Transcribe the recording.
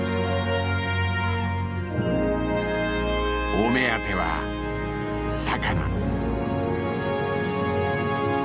お目当ては魚。